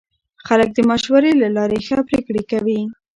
خلک د مشورې له لارې ښه پرېکړې کوي